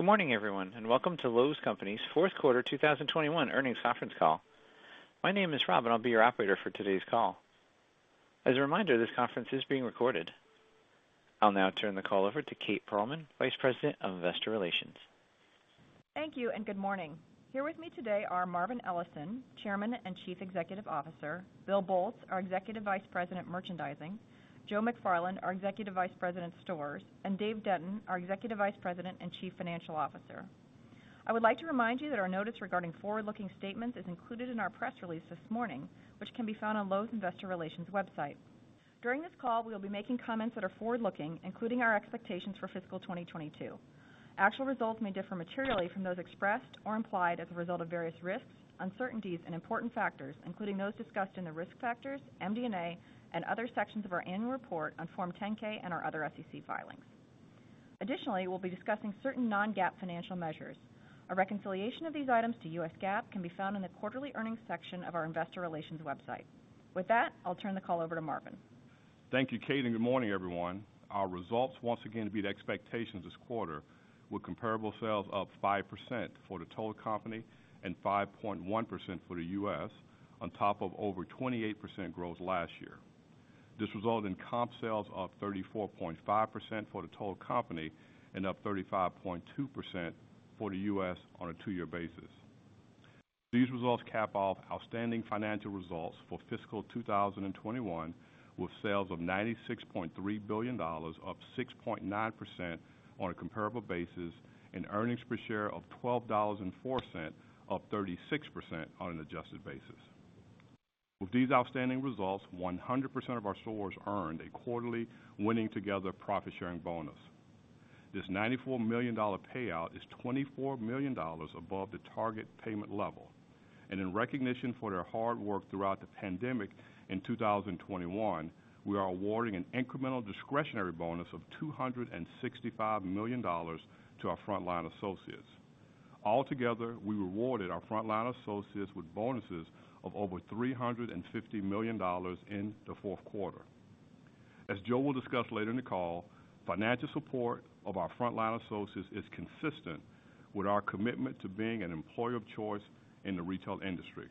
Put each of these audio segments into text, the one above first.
Good morning, everyone, and welcome to Lowe's Companies' Fourth Quarter 2021 Earnings Conference Call. My name is Rob, and I'll be your operator for today's call. As a reminder, this conference is being recorded. I'll now turn the call over to Kate Pearlman, Vice President of Investor Relations. Thank you, and good morning. Here with me today are Marvin Ellison, Chairman and Chief Executive Officer, Bill Boltz, our Executive Vice President, Merchandising, Joe McFarland, our Executive Vice President, Stores, and Dave Denton, our Executive Vice President and Chief Financial Officer. I would like to remind you that our notice regarding forward-looking statements is included in our press release this morning, which can be found on Lowe's Investor Relations website. During this call, we will be making comments that are forward-looking, including our expectations for fiscal 2022. Actual results may differ materially from those expressed or implied as a result of various risks, uncertainties, and important factors, including those discussed in the risk factors, MD&A, and other sections of our annual report on Form 10-K and our other SEC filings. Additionally, we'll be discussing certain non-GAAP financial measures. A reconciliation of these items to U.S. GAAP can be found in the quarterly earnings section of our investor relations website. With that, I'll turn the call over to Marvin. Thank you Kate, and good morning, everyone. Our results once again beat expectations this quarter, with comparable sales up 5% for the total company and 5.1% for the U.S. on top of over 28% growth last year. This resulted in comp sales up 34.5% for the total company and up 35.2% for the U.S. on a two-year basis. These results cap off outstanding financial results for fiscal 2021, with sales of $96.3 billion, up 6.9% on a comparable basis and earnings per share of $12.04, up 36% on an adjusted basis. With these outstanding results, 100% of our stores earned a quarterly Winning Together profit-sharing bonus. This $94 million payout is $24 million above the target payment level. In recognition for their hard work throughout the pandemic in 2021, we are awarding an incremental discretionary bonus of $265 million to our frontline associates. Altogether, we rewarded our frontline associates with bonuses of over $350 million in the fourth quarter. As Joe will discuss later in the call, financial support of our frontline associates is consistent with our commitment to being an employer of choice in the retail industry.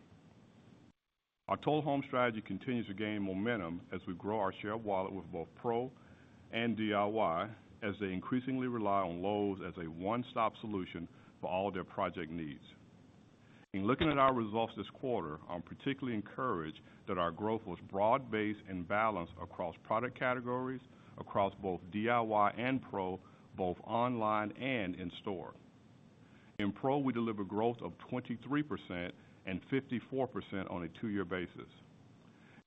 Our Total Home strategy continues to gain momentum as we grow our share of wallet with both Pro and DIY as they increasingly rely on Lowe's as a one-stop solution for all their project needs. In looking at our results this quarter, I'm particularly encouraged that our growth was broad-based and balanced across product categories, across both DIY and Pro, both online and in store. In Pro, we delivered growth of 23% and 54% on a two-year basis,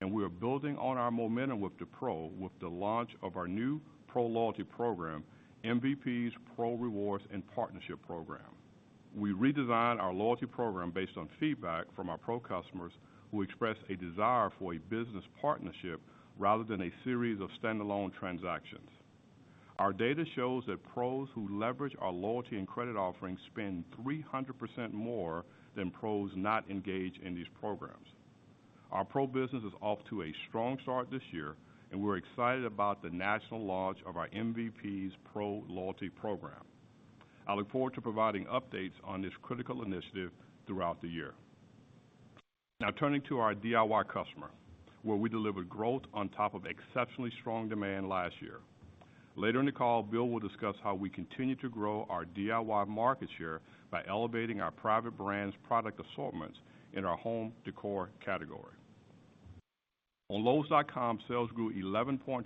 and we are building on our momentum with the Pro with the launch of our new Pro Loyalty program, MVPs Pro Rewards and Partnership program. We redesigned our loyalty program based on feedback from our Pro customers who expressed a desire for a business partnership rather than a series of standalone transactions. Our data shows that Pros who leverage our loyalty and credit offerings spend 300% more than Pros not engaged in these programs. Our Pro business is off to a strong start this year, and we're excited about the national launch of our MVPs Pro Loyalty program. I look forward to providing updates on this critical initiative throughout the year. Now turning to our DIY customer, where we delivered growth on top of exceptionally strong demand last year. Later in the call, Bill will discuss how we continue to grow our DIY market share by elevating our private brands product assortments in our home decor category. On lowes.com, sales grew 11.5%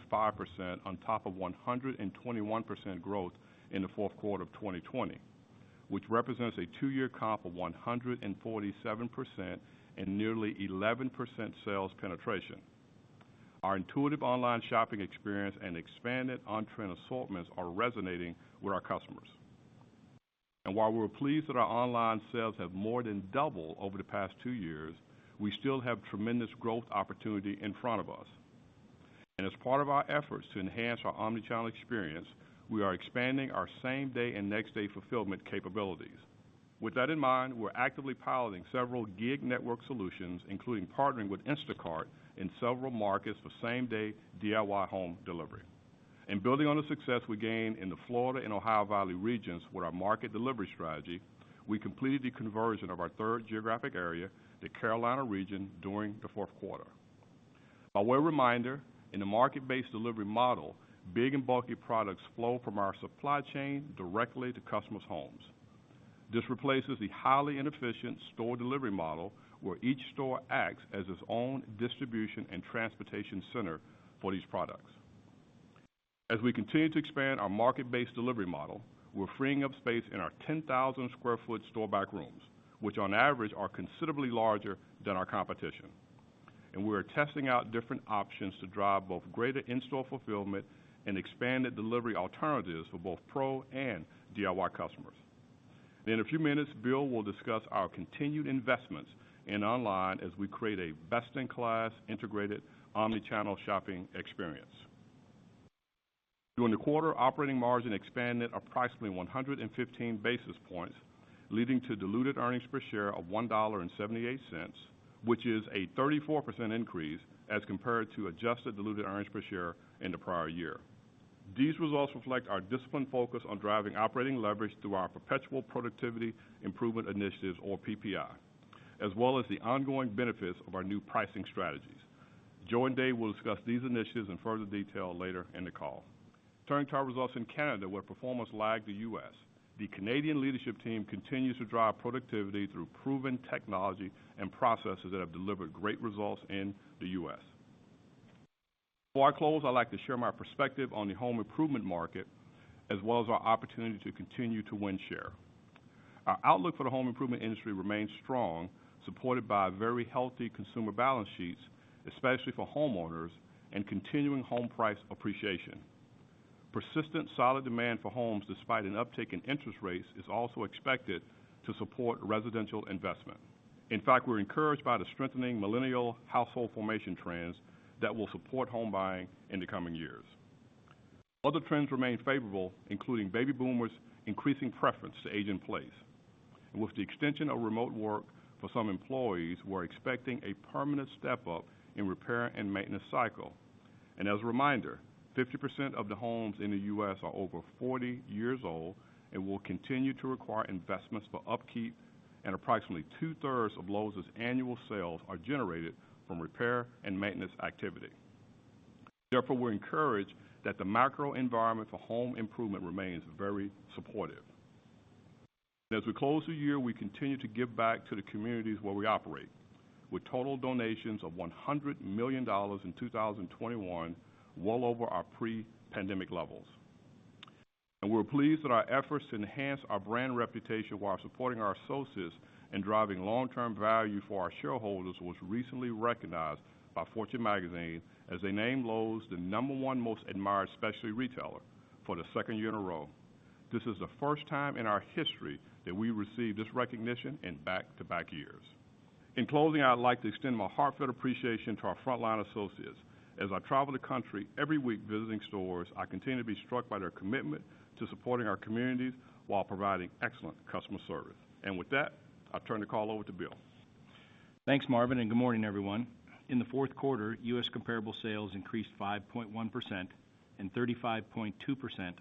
on top of 121% growth in the fourth quarter of 2020, which represents a two-year comp of 147% and nearly 11% sales penetration. Our intuitive online shopping experience and expanded on-trend assortments are resonating with our customers. While we're pleased that our online sales have more than doubled over the past two years, we still have tremendous growth opportunity in front of us. As part of our efforts to enhance our omnichannel experience, we are expanding our same-day and next-day fulfillment capabilities. With that in mind, we're actively piloting several gig network solutions, including partnering with Instacart in several markets for same-day DIY home delivery. Building on the success we gained in the Florida and Ohio Valley regions with our market delivery strategy, we completed the conversion of our third geographic area, the Carolina region, during the fourth quarter. As a reminder, in the market-based delivery model, big and bulky products flow from our supply chain directly to customers' homes. This replaces the highly inefficient store delivery model, where each store acts as its own distribution and transportation center for these products. As we continue to expand our market-based delivery model, we're freeing up space in our 10,000 sq ft store back rooms, which on average are considerably larger than our competition. We are testing out different options to drive both greater in-store fulfillment and expanded delivery alternatives for both Pro and DIY customers. In a few minutes, Bill will discuss our continued investments in online as we create a best-in-class integrated omnichannel shopping experience. During the quarter, operating margin expanded approximately 115 basis points. Leading to diluted earnings per share of $1.78, which is a 34% increase as compared to adjusted diluted earnings per share in the prior year. These results reflect our disciplined focus on driving operating leverage through our perpetual productivity improvement initiatives or PPI, as well as the ongoing benefits of our new pricing strategies. Joe and Dave will discuss these initiatives in further detail later in the call. Turning to our results in Canada, where performance lagged the U.S. The Canadian leadership team continues to drive productivity through proven technology and processes that have delivered great results in the U.S. Before I close, I'd like to share my perspective on the home improvement market, as well as our opportunity to continue to win share. Our outlook for the home improvement industry remains strong, supported by very healthy consumer balance sheets, especially for homeowners, and continuing home price appreciation. Persistent solid demand for homes despite an uptick in interest rates is also expected to support residential investment. In fact, we're encouraged by the strengthening millennial household formation trends that will support home buying in the coming years. Other trends remain favorable, including baby boomers increasing preference to age in place. With the extension of remote work for some employees, we're expecting a permanent step-up in repair and maintenance cycle. As a reminder, 50% of the homes in the U.S. are over 40 years old and will continue to require investments for upkeep, and approximately two-thirds of Lowe's annual sales are generated from repair and maintenance activity. Therefore, we're encouraged that the macro environment for home improvement remains very supportive. As we close the year, we continue to give back to the communities where we operate with total donations of $100 million in 2021, well over our pre-pandemic levels. We're pleased that our efforts to enhance our brand reputation while supporting our associates and driving long-term value for our shareholders was recently recognized by Fortune magazine as they named Lowe's the number one most admired specialty retailer for the second year in a row. This is the first time in our history that we received this recognition in back-to-back years. In closing, I'd like to extend my heartfelt appreciation to our frontline associates. As I travel the country every week visiting stores, I continue to be struck by their commitment to supporting our communities while providing excellent customer service. With that, I'll turn the call over to Bill. Thanks Marvin, and good morning, everyone. In the fourth quarter, U.S. comparable sales increased 5.1% and 35.2%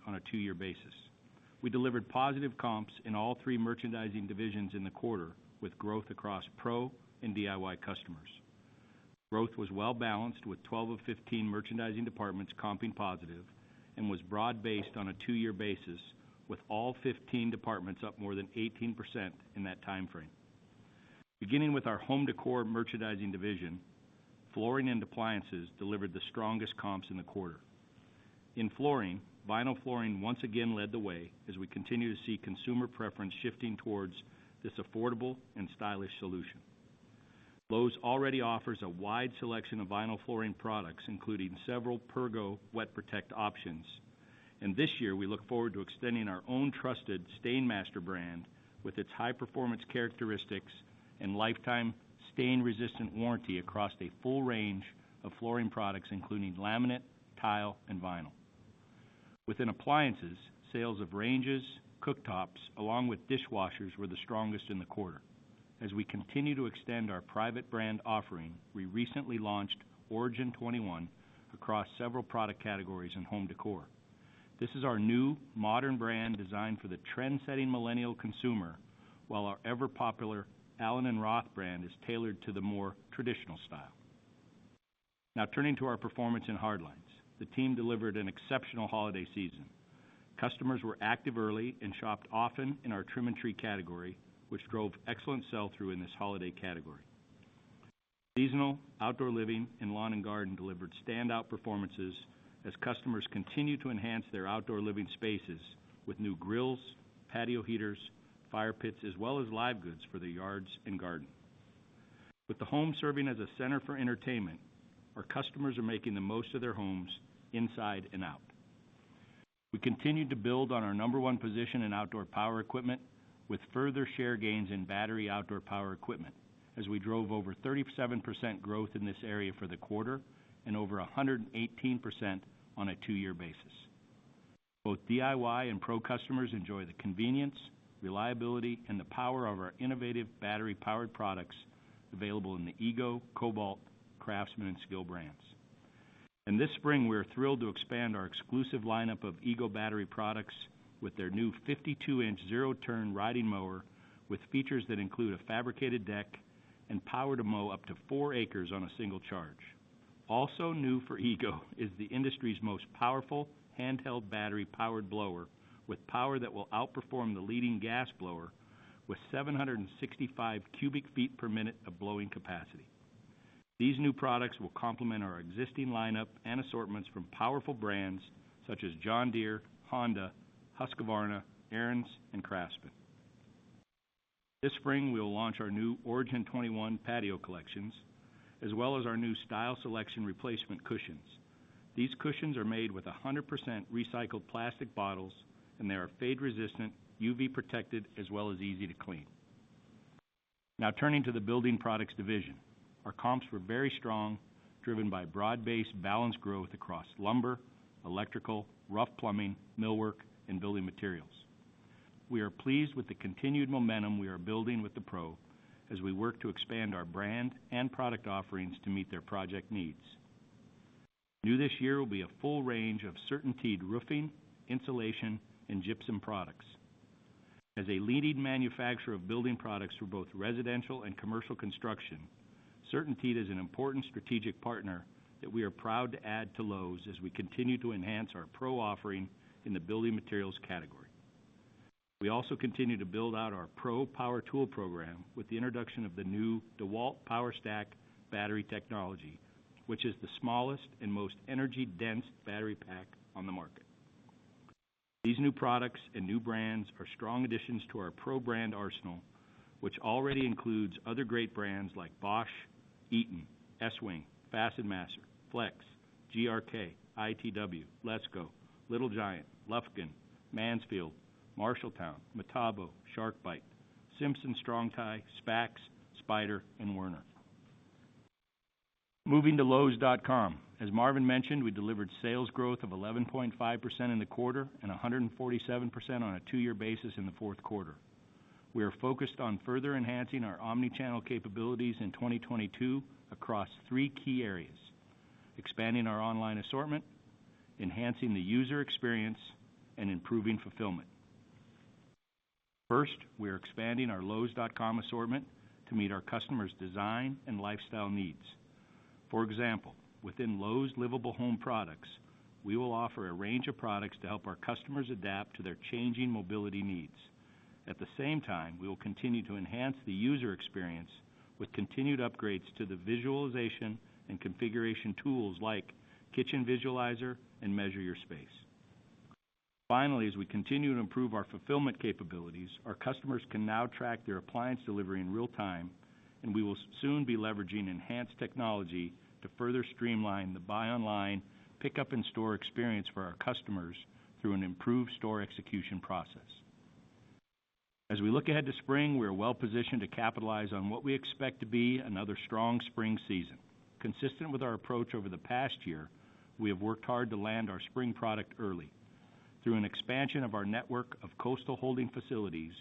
on a two-year basis. We delivered positive comps in all three merchandising divisions in the quarter, with growth across Pro and DIY customers. Growth was well-balanced with 12 of 15 merchandising departments comping positive and was broad-based on a two-year basis with all 15 departments up more than 18% in that time frame. Beginning with our home decor merchandising division, flooring and appliances delivered the strongest comps in the quarter. In flooring, vinyl flooring once again led the way as we continue to see consumer preference shifting towards this affordable and stylish solution. Lowe's already offers a wide selection of vinyl flooring products, including several Pergo WetProtect options. This year, we look forward to extending our own trusted STAINMASTER brand with its high-performance characteristics and lifetime stain-resistant warranty across a full range of flooring products, including laminate, tile, and vinyl. Within appliances, sales of ranges, cooktops, along with dishwashers, were the strongest in the quarter. As we continue to extend our private brand offering, we recently launched Origin21 across several product categories in home décor. This is our new modern brand designed for the trendsetting millennial consumer, while our ever-popular allen + roth brand is tailored to the more traditional style. Now turning to our performance in hard lines. The team delivered an exceptional holiday season. Customers were active early and shopped often in our Trim-A-Tree category, which drove excellent sell-through in this holiday category. Seasonal, outdoor living, and lawn and garden delivered standout performances as customers continued to enhance their outdoor living spaces with new grills, patio heaters, fire pits, as well as live goods for the yards and garden. With the home serving as a center for entertainment, our customers are making the most of their homes inside and out. We continued to build on our number one position in outdoor power equipment with further share gains in battery outdoor power equipment as we drove over 37% growth in this area for the quarter and over 118% on a two-year basis. Both DIY and Pro customers enjoy the convenience, reliability, and the power of our innovative battery-powered products available in the EGO, Kobalt, Craftsman, and SKIL brands. This spring, we are thrilled to expand our exclusive lineup of EGO battery products with their new 52-inch zero-turn riding mower with features that include a fabricated deck and power to mow up to 4 acres on a single charge. Also new for EGO is the industry's most powerful handheld battery-powered blower with power that will outperform the leading gas blower with 765 cu ft per minute of blowing capacity. These new products will complement our existing lineup and assortments from powerful brands such as John Deere, Honda, Husqvarna, Ariens, and Craftsman. This spring, we will launch our new Origin21 patio collections, as well as our new Style Selections replacement cushions. These cushions are made with 100% recycled plastic bottles, and they are fade-resistant, UV-protected, as well as easy to clean. Now turning to the Building Products division. Our comps were very strong, driven by broad-based balanced growth across lumber, electrical, rough plumbing, millwork, and building materials. We are pleased with the continued momentum we are building with the Pro as we work to expand our brand and product offerings to meet their project needs. New this year will be a full range of CertainTeed roofing, insulation, and gypsum products. As a leading manufacturer of building products for both residential and commercial construction, CertainTeed is an important strategic partner that we are proud to add to Lowe's as we continue to enhance our Pro offering in the building materials category. We also continue to build out our Pro power tool program with the introduction of the new DEWALT POWERSTACK battery technology, which is the smallest and most energy-dense battery pack on the market. These new products and new brands are strong additions to our Pro brand arsenal, which already includes other great brands like Bosch, Eaton, Estwing, FastenMaster, FLEX, GRK, ITW, LESCO, Little Giant, Lufkin, Mansfield, Marshalltown, Metabo, SharkBite, Simpson Strong-Tie, SPAX, Spyder, and Werner. Moving to lowes.com. As Marvin mentioned, we delivered sales growth of 11.5% in the quarter and 147% on a two-year basis in the fourth quarter. We are focused on further enhancing our omnichannel capabilities in 2022 across three key areas, expanding our online assortment, enhancing the user experience, and improving fulfillment. First, we are expanding our lowes.com assortment to meet our customers' design and lifestyle needs. For example, within Lowe's Livable Home products, we will offer a range of products to help our customers adapt to their changing mobility needs. At the same time, we will continue to enhance the user experience with continued upgrades to the visualization and configuration tools like Kitchen Visualizer and Measure Your Space. Finally, as we continue to improve our fulfillment capabilities, our customers can now track their appliance delivery in real time, and we will soon be leveraging enhanced technology to further streamline the buy online pickup in-store experience for our customers through an improved store execution process. As we look ahead to spring, we are well-positioned to capitalize on what we expect to be another strong spring season. Consistent with our approach over the past year, we have worked hard to land our spring product early. Through an expansion of our network of coastal holding facilities,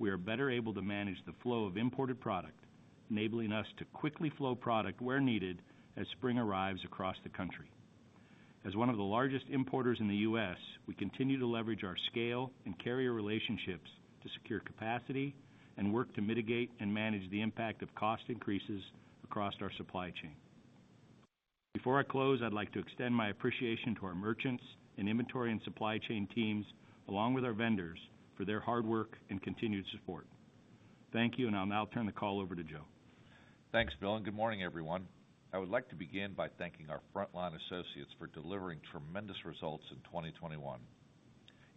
we are better able to manage the flow of imported product, enabling us to quickly flow product where needed as spring arrives across the country. As one of the largest importers in the U.S., we continue to leverage our scale and carrier relationships to secure capacity and work to mitigate and manage the impact of cost increases across our supply chain. Before I close, I'd like to extend my appreciation to our merchants and inventory and supply chain teams, along with our vendors for their hard work and continued support. Thank you, and I'll now turn the call over to Joe. Thanks Bill, and good morning, everyone. I would like to begin by thanking our frontline associates for delivering tremendous results in 2021.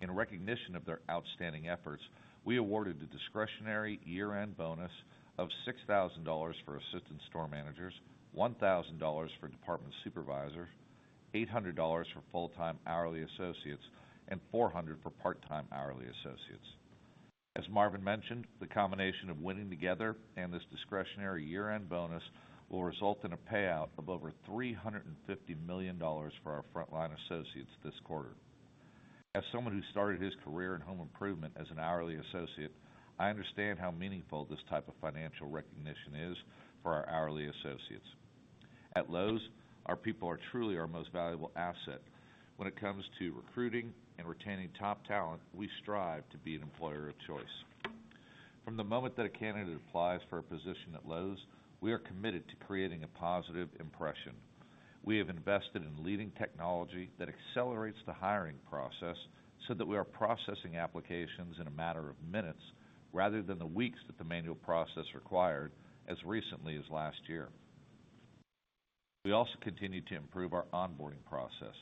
In recognition of their outstanding efforts, we awarded a discretionary year-end bonus of $6,000 for assistant store managers, $1,000 for department supervisors, $800 for full-time hourly associates, and $400 for part-time hourly associates. As Marvin mentioned, the combination of Winning Together and this discretionary year-end bonus will result in a payout of over $350 million for our frontline associates this quarter. As someone who started his career in home improvement as an hourly associate, I understand how meaningful this type of financial recognition is for our hourly associates. At Lowe's, our people are truly our most valuable asset. When it comes to recruiting and retaining top talent, we strive to be an employer of choice. From the moment that a candidate applies for a position at Lowe's, we are committed to creating a positive impression. We have invested in leading technology that accelerates the hiring process so that we are processing applications in a matter of minutes rather than the weeks that the manual process required as recently as last year. We also continue to improve our onboarding process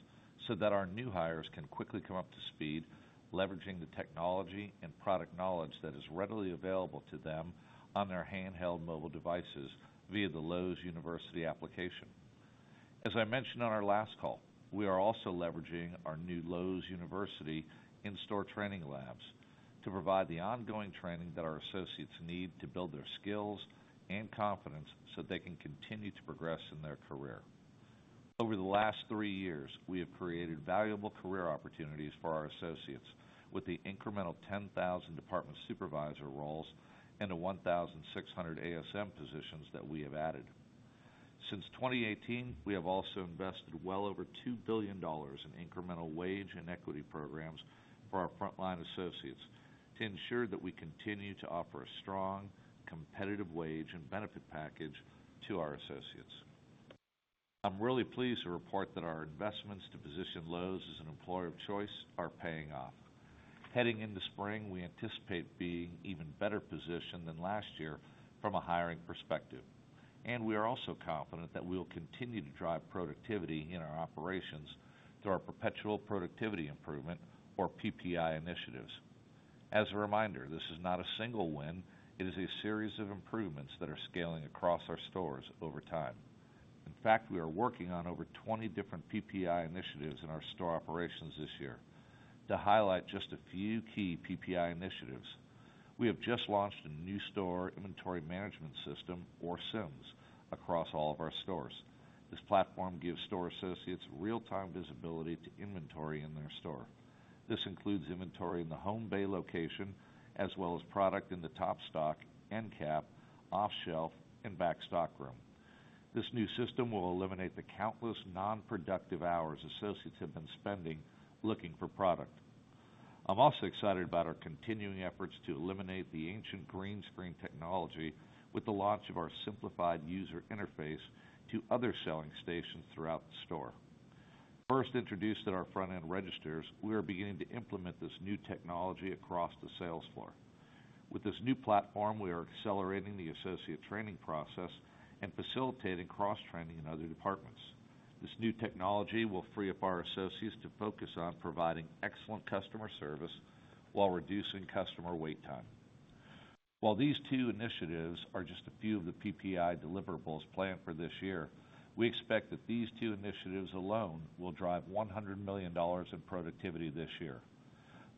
so that our new hires can quickly come up to speed, leveraging the technology and product knowledge that is readily available to them on their handheld mobile devices via the Lowe's University application. As I mentioned on our last call, we are also leveraging our new Lowe's University in-store training labs to provide the ongoing training that our associates need to build their skills and confidence so they can continue to progress in their career. Over the last three years, we have created valuable career opportunities for our associates with the incremental 10,000 department supervisor roles and the 1,600 ASM positions that we have added. Since 2018, we have also invested well over $2 billion in incremental wage and equity programs for our frontline associates to ensure that we continue to offer a strong, competitive wage and benefit package to our associates. I'm really pleased to report that our investments to position Lowe's as an employer of choice are paying off. Heading into spring, we anticipate being even better positioned than last year from a hiring perspective, and we are also confident that we will continue to drive productivity in our operations through our perpetual productivity improvement or PPI initiatives. As a reminder, this is not a single win. It is a series of improvements that are scaling across our stores over time. In fact, we are working on over 20 different PPI initiatives in our store operations this year. To highlight just a few key PPI initiatives, we have just launched a new store inventory management system, or SIMS, across all of our stores. This platform gives store associates real-time visibility to inventory in their store. This includes inventory in the home bay location, as well as product in the top stock, end cap, off shelf, and back stock room. This new system will eliminate the countless non-productive hours associates have been spending looking for product. I'm also excited about our continuing efforts to eliminate the ancient green screen technology with the launch of our simplified user interface to other selling stations throughout the store. First introduced at our front-end registers, we are beginning to implement this new technology across the sales floor. With this new platform, we are accelerating the associate training process and facilitating cross-training in other departments. This new technology will free up our associates to focus on providing excellent customer service while reducing customer wait time. While these two initiatives are just a few of the PPI deliverables planned for this year, we expect that these two initiatives alone will drive $100 million in productivity this year.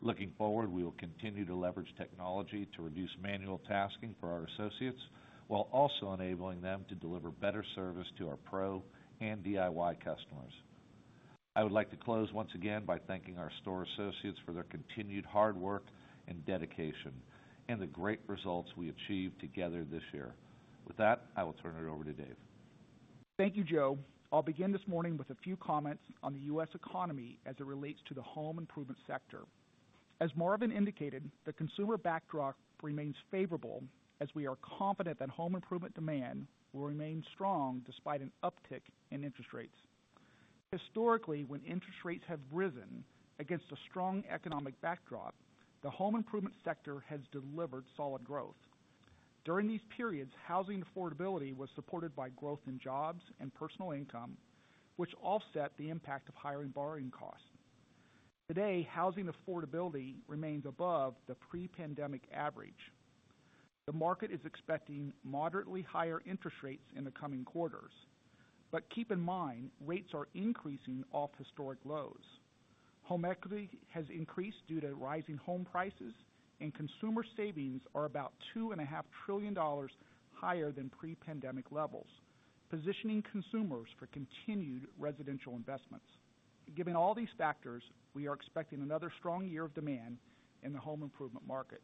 Looking forward, we will continue to leverage technology to reduce manual tasking for our associates while also enabling them to deliver better service to our Pro and DIY customers. I would like to close once again by thanking our store associates for their continued hard work and dedication and the great results we achieved together this year. With that, I will turn it over to Dave. Thank you Joe. I'll begin this morning with a few comments on the U.S. economy as it relates to the home improvement sector. As Marvin indicated, the consumer backdrop remains favorable as we are confident that home improvement demand will remain strong despite an uptick in interest rates. Historically, when interest rates have risen against a strong economic backdrop, the home improvement sector has delivered solid growth. During these periods, housing affordability was supported by growth in jobs and personal income, which offset the impact of higher borrowing costs. Today, housing affordability remains above the pre-pandemic average. The market is expecting moderately higher interest rates in the coming quarters. Keep in mind rates are increasing off historic lows. Home equity has increased due to rising home prices, and consumer savings are about $2.5 trillion higher than pre-pandemic levels, positioning consumers for continued residential investments. Given all these factors, we are expecting another strong year of demand in the home improvement market.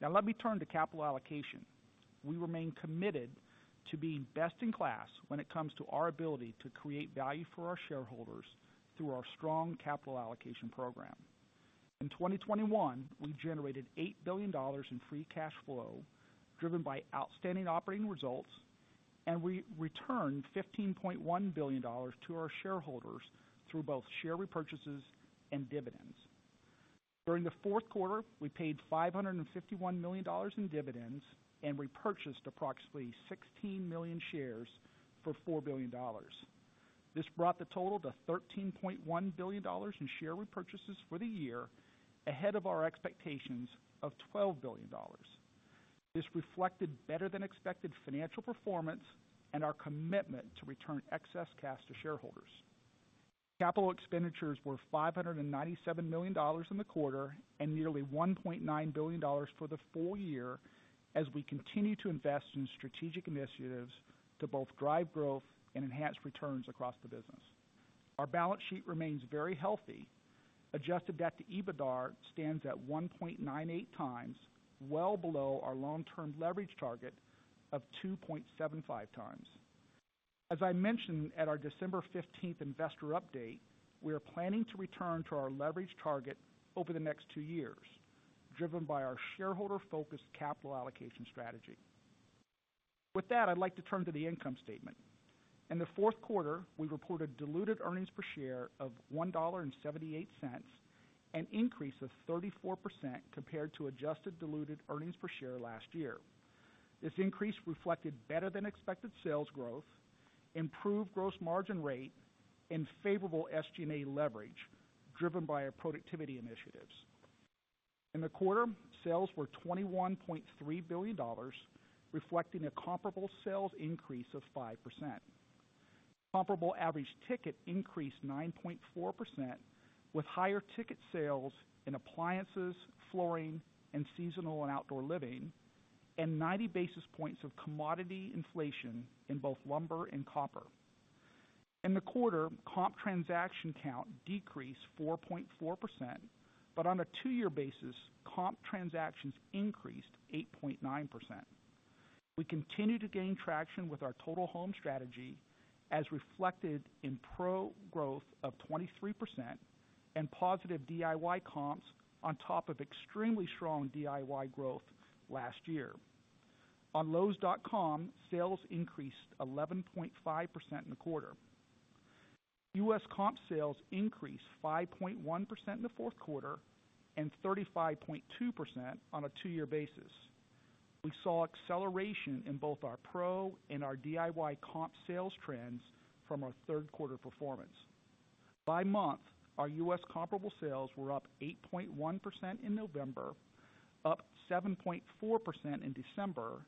Now let me turn to capital allocation. We remain committed to being best in class when it comes to our ability to create value for our shareholders through our strong capital allocation program. In 2021, we generated $8 billion in free cash flow, driven by outstanding operating results, and we returned $15.1 billion to our shareholders through both share repurchases and dividends. During the fourth quarter, we paid $551 million in dividends and repurchased approximately 16 million shares for $4 billion. This brought the total to $13.1 billion in share repurchases for the year, ahead of our expectations of $12 billion. This reflected better than expected financial performance and our commitment to return excess cash to shareholders. Capital expenditures were $597 million in the quarter and nearly $1.9 billion for the full year as we continue to invest in strategic initiatives to both drive growth and enhance returns across the business. Our balance sheet remains very healthy. Adjusted debt to EBITDA stands at 1.98x, well below our long-term leverage target of 2.75x. As I mentioned at our December 15th investor update, we are planning to return to our leverage target over the next two years, driven by our shareholder-focused capital allocation strategy. With that, I'd like to turn to the income statement. In the fourth quarter, we reported diluted earnings per share of $1.78, an increase of 34% compared to adjusted diluted earnings per share last year. This increase reflected better than expected sales growth, improved gross margin rate, and favorable SG&A leverage driven by our productivity initiatives. In the quarter, sales were $21.3 billion, reflecting a comparable sales increase of 5%. Comparable average ticket increased 9.4%, with higher ticket sales in appliances, flooring, and seasonal and outdoor living, and 90 basis points of commodity inflation in both lumber and copper. In the quarter, comp transaction count decreased 4.4%, but on a two-year basis, comp transactions increased 8.9%. We continue to gain traction with our Total Home strategy, as reflected in Pro growth of 23% and positive DIY comps on top of extremely strong DIY growth last year. On lowes.com, sales increased 11.5% in the quarter. U.S. comp sales increased 5.1% in the fourth quarter and 35.2% on a two-year basis. We saw acceleration in both our Pro and our DIY comp sales trends from our third quarter performance. By month, our U.S. comparable sales were up 8.1% in November, up 7.4% in December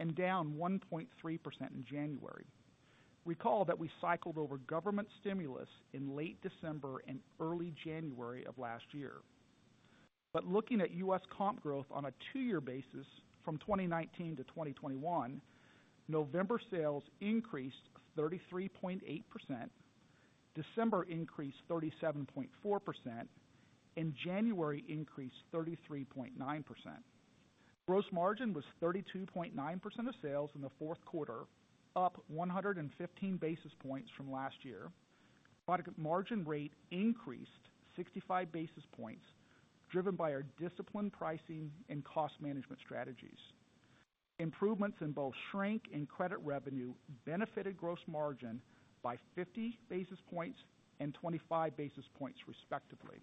and down 1.3% in January. Recall that we cycled over government stimulus in late December and early January of last year. Looking at U.S. comp growth on a two-year basis from 2019 to 2021, November sales increased 33.8%, December increased 37.4%, and January increased 33.9%. Gross margin was 32.9% of sales in the fourth quarter, up 115 basis points from last year. Product margin rate increased 65 basis points, driven by our disciplined pricing and cost management strategies. Improvements in both shrink and credit revenue benefited gross margin by 50 basis points and 25 basis points respectively.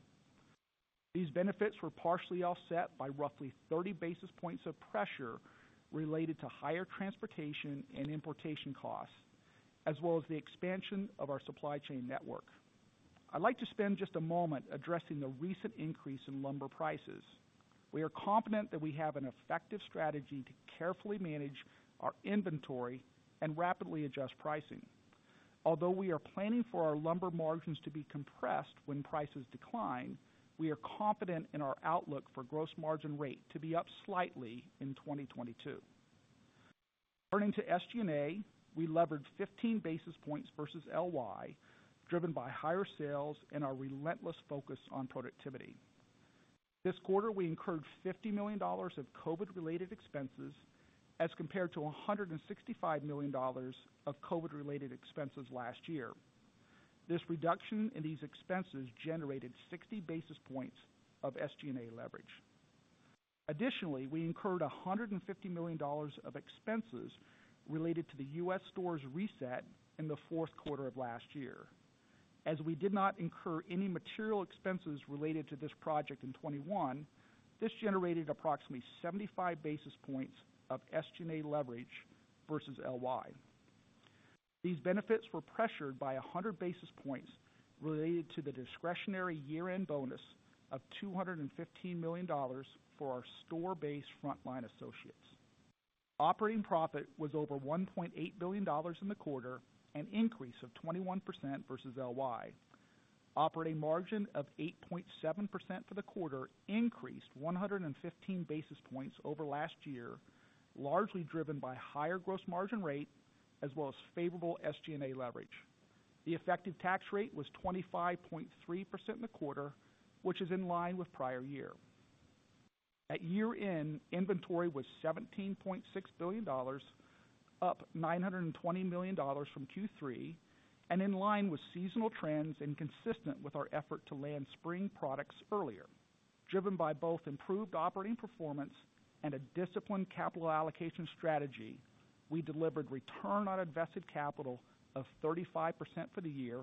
These benefits were partially offset by roughly 30 basis points of pressure related to higher transportation and importation costs, as well as the expansion of our supply chain network. I'd like to spend just a moment addressing the recent increase in lumber prices. We are confident that we have an effective strategy to carefully manage our inventory and rapidly adjust pricing. Although we are planning for our lumber margins to be compressed when prices decline, we are confident in our outlook for gross margin rate to be up slightly in 2022. Turning to SG&A, we levered 15 basis points versus LY, driven by higher sales and our relentless focus on productivity. This quarter, we incurred $50 million of COVID-related expenses as compared to $165 million of COVID-related expenses last year. This reduction in these expenses generated 60 basis points of SG&A leverage. Additionally, we incurred $150 million of expenses related to the U.S. stores reset in the fourth quarter of last year. As we did not incur any material expenses related to this project in 2021, this generated approximately 75 basis points of SG&A leverage versus LY. These benefits were pressured by 100 basis points related to the discretionary year-end bonus of $215 million for our store-based frontline associates. Operating profit was over $1.8 billion in the quarter, an increase of 21% versus LY. Operating margin of 8.7% for the quarter increased 115 basis points over last year, largely driven by higher gross margin rate as well as favorable SG&A leverage. The effective tax rate was 25.3% in the quarter, which is in line with prior year. At year-end, inventory was $17.6 billion, up $920 million from Q3, and in line with seasonal trends and consistent with our effort to land spring products earlier. Driven by both improved operating performance and a disciplined capital allocation strategy, we delivered return on invested capital of 35% for the year,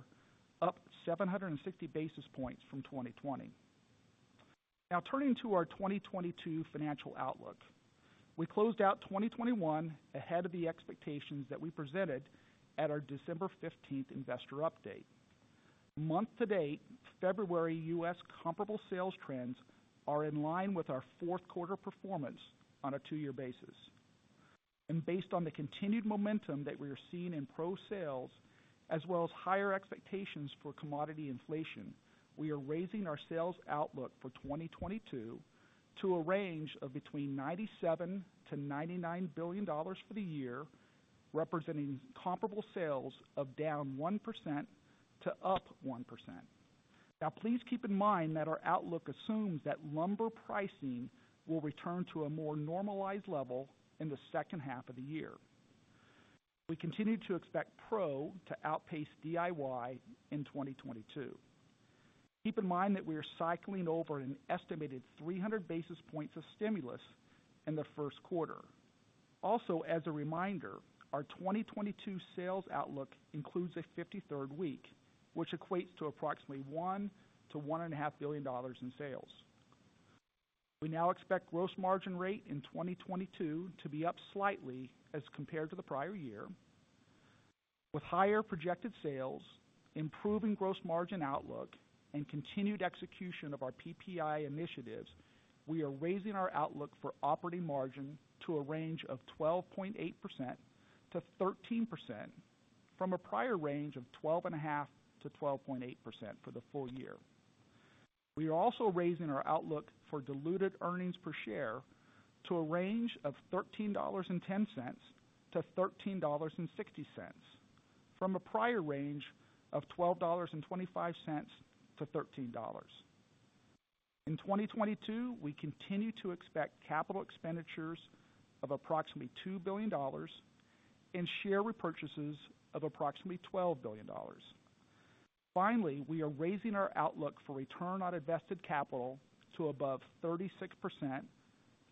up 760 basis points from 2020. Now turning to our 2022 financial outlook. We closed out 2021 ahead of the expectations that we presented at our December 15th investor update. Month to date, February U.S. comparable sales trends are in line with our fourth quarter performance on a two-year basis. Based on the continued momentum that we are seeing in Pro sales, as well as higher expectations for commodity inflation, we are raising our sales outlook for 2022 to a range of between $97-$99 billion for the year, representing comparable sales of down 1% to up 1%. Now, please keep in mind that our outlook assumes that lumber pricing will return to a more normalized level in the second half of the year. We continue to expect Pro to outpace DIY in 2022. Keep in mind that we are cycling over an estimated 300 basis points of stimulus in the first quarter. Also, as a reminder, our 2022 sales outlook includes a 53rd week, which equates to approximately $1 billion-$1.5 billion in sales. We now expect gross margin rate in 2022 to be up slightly as compared to the prior year. With higher projected sales, improving gross margin outlook, and continued execution of our PPI initiatives, we are raising our outlook for operating margin to a range of 12.8%-13% from a prior range of 12.5%-12.8% for the full year. We are also raising our outlook for diluted earnings per share to a range of $13.10-$13.60 from a prior range of $12.25-$13. In 2022, we continue to expect capital expenditures of approximately $2 billion and share repurchases of approximately $12 billion. Finally, we are raising our outlook for return on invested capital to above 36%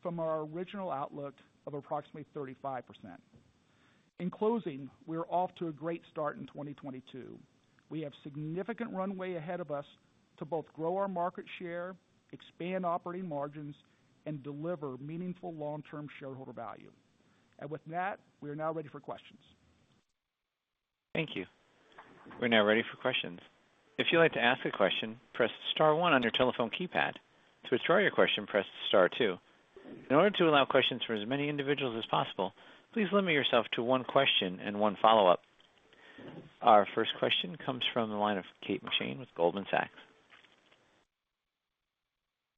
from our original outlook of approximately 35%. In closing, we are off to a great start in 2022. We have significant runway ahead of us to both grow our market share, expand operating margins, and deliver meaningful long-term shareholder value. With that, we are now ready for questions. Thank you. We're now ready for questions. If you'd like to ask a question, press star one on your telephone keypad. To withdraw your question, press star two. In order to allow questions for as many individuals as possible, please limit yourself to one question and one follow-up. Our first question comes from the line of Kate McShane with Goldman Sachs.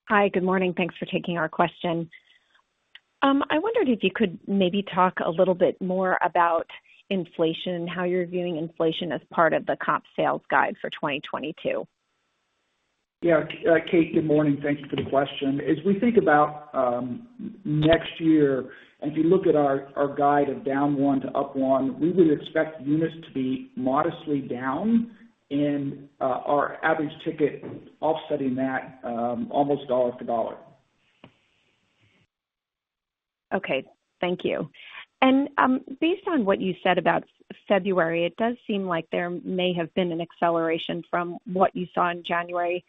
Hi, good morning. Thanks for taking our question. I wondered if you could maybe talk a little bit more about inflation and how you're viewing inflation as part of the comp sales guide for 2022? Kate, good morning. Thank you for the question. As we think about next year, and if you look at our guide of down 1% to up 1%, we would expect units to be modestly down and our average ticket offsetting that, almost dollar to dollar. Okay, thank you. Based on what you said about February, it does seem like there may have been an acceleration from what you saw in January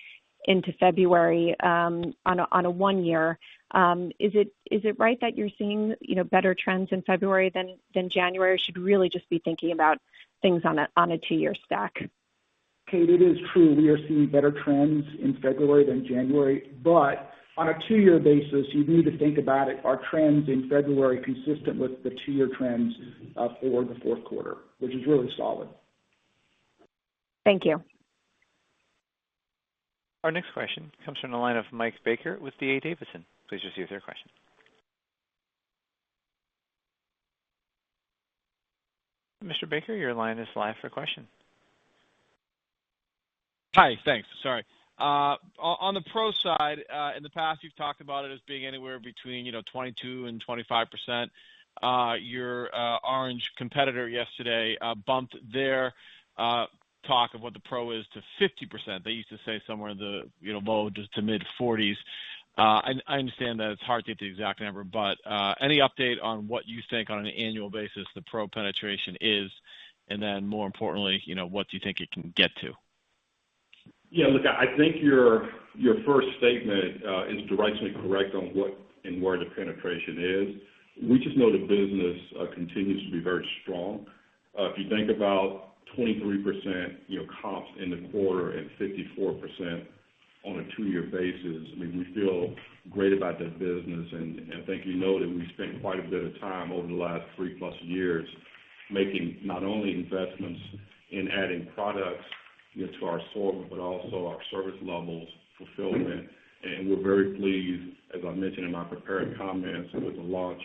into February on a one-year. Is it right that you're seeing, you know, better trends in February than January, or should really just be thinking about things on a two-year stack? Kate, it is true, we are seeing better trends in February than January, but on a two-year basis, you need to think about it. Are trends in February consistent with the two-year trends for the fourth quarter, which is really solid. Thank you. Our next question comes from the line of Michael Baker with D.A. Davidson. Please proceed with your question. Mr. Baker, your line is live for question. Hi. Thanks. Sorry. On the Pro side, in the past, you've talked about it as being anywhere between, you know, 22%-25%. Your orange competitor yesterday bumped their talk of what the Pro is to 50%. They used to say somewhere in the, you know, low to mid-40s%. I understand that it's hard to get the exact number, but any update on what you think on an annual basis the Pro penetration is, and then more importantly, you know, what do you think it can get to? Yeah, look, I think your first statement is directionally correct on what and where the penetration is. We just know the business continues to be very strong. If you think about 23%, you know, comps in the quarter and 54% on a two-year basis, I mean, we feel great about that business. I think you know that we've spent quite a bit of time over the last three-plus years making not only investments in adding products into our store, but also our service levels, fulfillment. We're very pleased, as I mentioned in my prepared comments, with the launch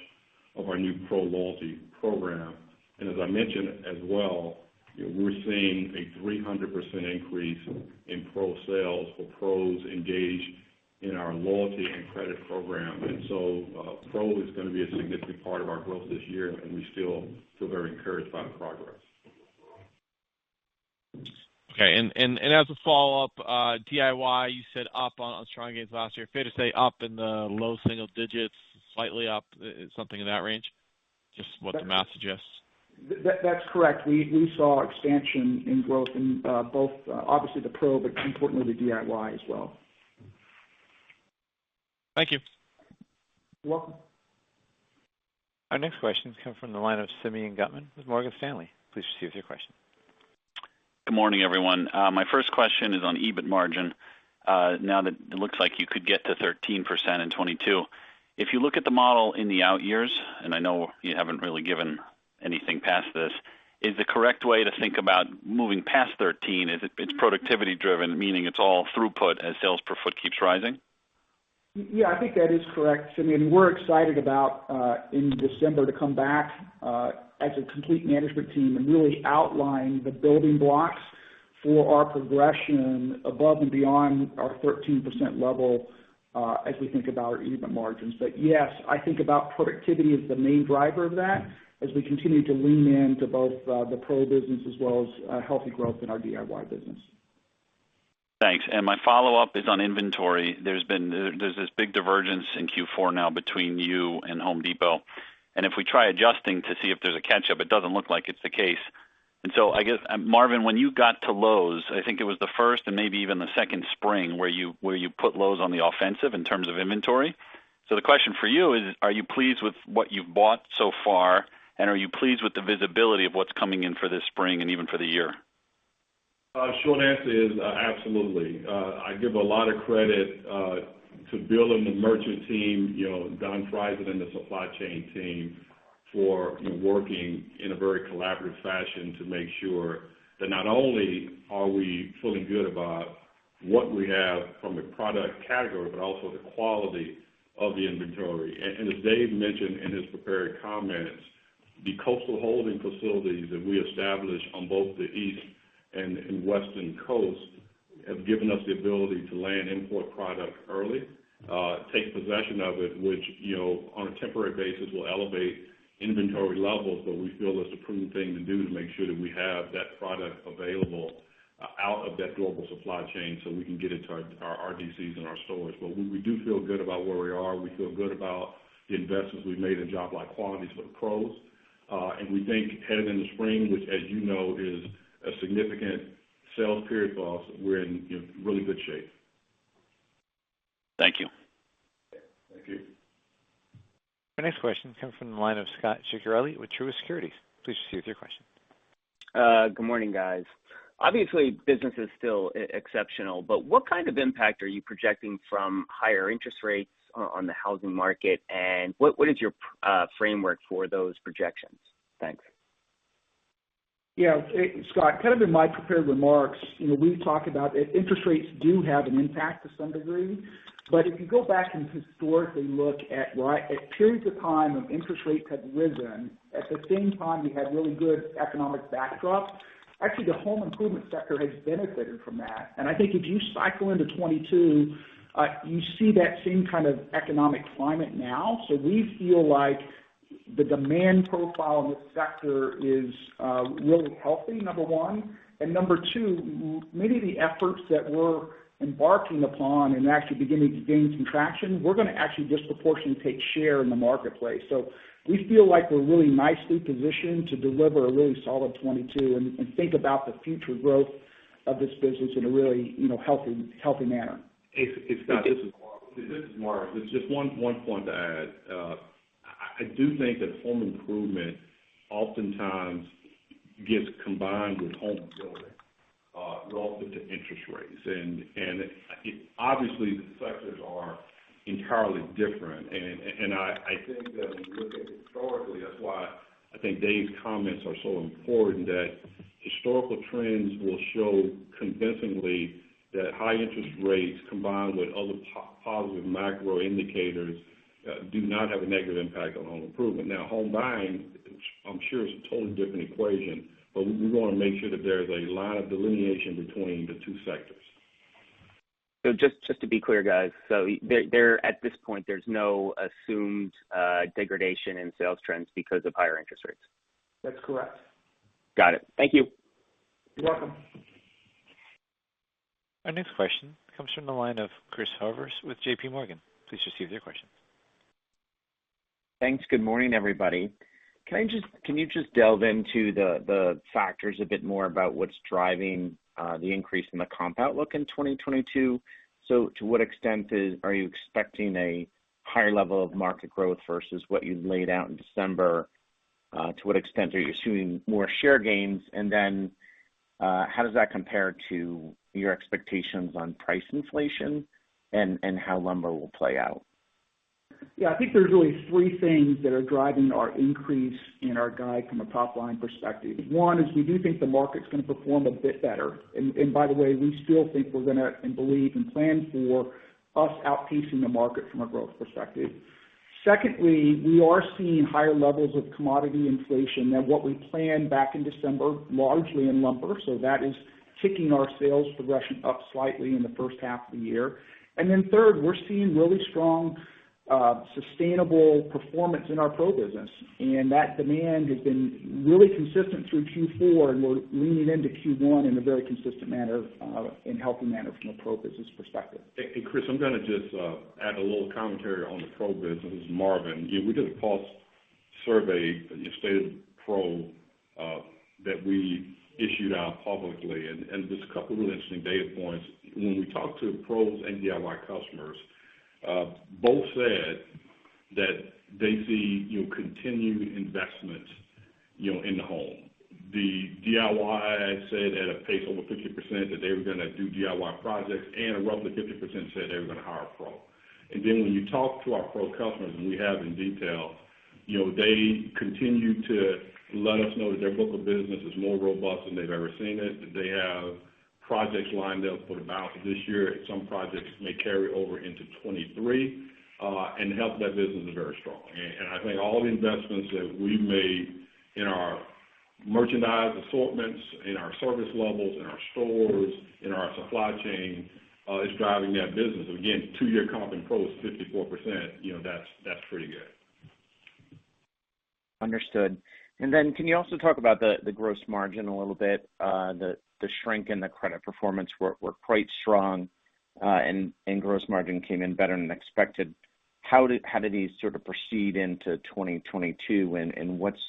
of our new Pro Loyalty program. As I mentioned as well, we're seeing a 300% increase in Pro sales for Pros engaged in our loyalty and credit program. Pro is gonna be a significant part of our growth this year, and we feel very encouraged by the progress. Okay. As a follow-up, DIY, you said up on strong gains last year. Fair to say up in the low single digits, slightly up, something in that range? Just what the math suggests. That's correct. We saw expansion in growth in both obviously the Pro, but importantly the DIY as well. Thank you. You're welcome. Our next question comes from the line of Simeon Gutman with Morgan Stanley. Please proceed with your question. Good morning everyone. My first question is on EBIT margin. Now that it looks like you could get to 13% in 2022, if you look at the model in the out years, and I know you haven't really given anything past this, is the correct way to think about moving past 13%, is it's productivity driven, meaning it's all throughput as sales per foot keeps rising? Yeah, I think that is correct Simeon. We're excited about in December to come back as a complete management team and really outline the building blocks for our progression above and beyond our 13% level as we think about our EBIT margins. Yes, I think about productivity as the main driver of that as we continue to lean in to both the Pro business as well as healthy growth in our DIY business. Thanks. My follow-up is on inventory. There's this big divergence in Q4 now between you and The Home Depot. If we try adjusting to see if there's a catch-up, it doesn't look like it's the case. I guess, Marvin, when you got to Lowe's, I think it was the first and maybe even the second spring where you put Lowe's on the offensive in terms of inventory. The question for you is, are you pleased with what you've bought so far, and are you pleased with the visibility of what's coming in for this spring and even for the year? Short answer is, absolutely. I give a lot of credit to Bill and the merchant team, you know, Don Frieson and the supply chain team for working in a very collaborative fashion to make sure that not only are we feeling good about what we have from a product category, but also the quality of the inventory. As Dave mentioned in his prepared comments, the coastal holding facilities that we established on both the East and West Coast have given us the ability to land import product early, take possession of it, which, you know, on a temporary basis, will elevate inventory levels. We feel that's a prudent thing to do to make sure that we have that product available out of that global supply chain so we can get it to our RDCs and our stores. We do feel good about where we are. We feel good about the investments we've made in jobsite qualities for the Pros. We think heading into the spring, which as you know is a significant sales period for us, we're in really good shape. Thank you. Thank you. Our next question comes from the line of Scot Ciccarelli with Truist Securities. Please proceed with your question. Good morning guys. Obviously, business is still exceptional, but what kind of impact are you projecting from higher interest rates on the housing market and what is your framework for those projections? Thanks. Yeah. Scot, kind of in my prepared remarks, you know, we've talked about if interest rates do have an impact to some degree. If you go back and historically look at why at periods of time of interest rates have risen, at the same time, we had really good economic backdrop. Actually, the home improvement sector has benefited from that. I think if you cycle into 2022, you see that same kind of economic climate now. We feel like the demand profile in this sector is really healthy, number one. Number two, maybe the efforts that we're embarking upon and actually beginning to gain some traction, we're gonna actually disproportionately take share in the marketplace. We feel like we're really nicely positioned to deliver a really solid 2022 and think about the future growth of this business in a really, you know, healthy manner. Scot, this is Marvin. Just one point to add. I do think that home improvement oftentimes gets combined with home building relative to interest rates. It obviously, the sectors are entirely different. I think that when you look at history, that's why I think Dave's comments are so important, that historical trends will show convincingly that high interest rates, combined with other positive macro indicators, do not have a negative impact on home improvement. Now, home buying, I'm sure it's a totally different equation, but we wanna make sure that there's a lot of delineation between the two sectors. Just to be clear, guys, there at this point, there's no assumed degradation in sales trends because of higher interest rates? That's correct. Got it. Thank you. You're welcome. Our next question comes from the line of Chris Horvers with JPMorgan. Please proceed with your question. Thanks. Good morning everybody. Can you just delve into the factors a bit more about what's driving the increase in the comp outlook in 2022? To what extent are you expecting a higher level of market growth versus what you laid out in December? To what extent are you assuming more share gains? And then, how does that compare to your expectations on price inflation and how lumber will play out? Yeah. I think there's really three things that are driving our increase in our guide from a top line perspective. One is we do think the market's gonna perform a bit better. By the way, we still think we're gonna and believe and plan for us outpacing the market from a growth perspective. Secondly, we are seeing higher levels of commodity inflation than what we planned back in December, largely in lumber. That is ticking our sales progression up slightly in the first half of the year. Third, we're seeing really strong sustainable performance in our Pro business. That demand has been really consistent through Q4, and we're leaning into Q1 in a very consistent manner and healthy manner from a Pro business perspective. Chris, I'm gonna just add a little commentary on the Pro business. This is Marvin. You know, we did a pulse survey, the State of the Pro, that we issued out publicly, and just a couple of interesting data points. When we talked to Pros and DIY customers, both said that they see, you know, continued investment, you know, in the home. The DIY said at a pace over 50% that they were gonna do DIY projects, and roughly 50% said they were gonna hire a pro. Then when you talk to our Pro customers, and we have in detail, you know, they continue to let us know that their book of business is more robust than they've ever seen it, that they have projects lined up for the balance of this year. Some projects may carry over into 2023, and health of that business is very strong. I think all the investments that we've made in our merchandise assortments, in our service levels, in our stores, in our supply chain is driving that business. Again, two-year comp in Pro is 54%, you know, that's pretty good. Understood. Then can you also talk about the gross margin a little bit? The shrink and the credit performance were quite strong, and gross margin came in better than expected. How did these sort of proceed into 2022, and what's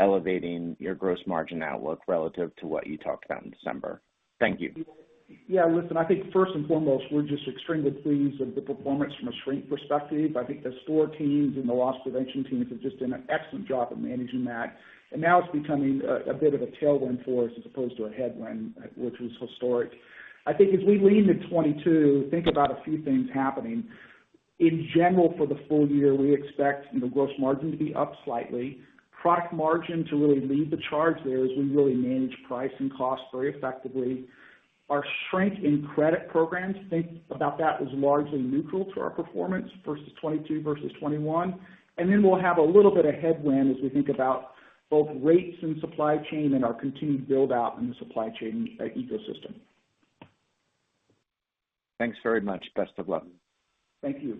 elevating your gross margin outlook relative to what you talked about in December? Thank you. Yeah. Listen, I think first and foremost, we're just extremely pleased with the performance from a shrink perspective. I think the store teams and the loss prevention teams have just done an excellent job of managing that. Now it's becoming a bit of a tailwind for us as opposed to a headwind, which was historic. I think as we look to 2022, think about a few things happening. In general, for the full year, we expect, you know, gross margin to be up slightly. Product margin to really lead the charge there as we really manage price and cost very effectively. Our strength in credit programs, think about that as largely neutral to our performance versus 2022 versus 2021. Then we'll have a little bit of headwind as we think about both rates and supply chain and our continued build-out in the supply chain ecosystem. Thanks very much. Best of luck. Thank you.